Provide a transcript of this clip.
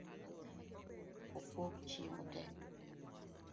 Opog chiemo tee.